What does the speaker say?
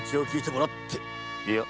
いや。